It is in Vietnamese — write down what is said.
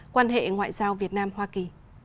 quan hệ ngoại giao việt nam hoa kỳ